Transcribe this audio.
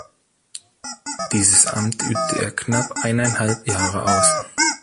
Dieses Amt übte er knapp eineinhalb Jahre aus.